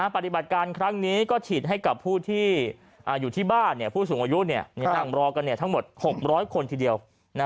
ปฏิบัติการครั้งนี้ก็ฉีดให้กับผู้ที่อยู่ที่บ้านผู้สูงอายุนั่งรอกันทั้งหมด๖๐๐คนทีเดียว